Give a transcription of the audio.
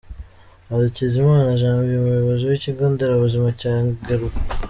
Hakizimana Janvier, umuyobozi w’ikigo nderabuzima cya Ngeruka.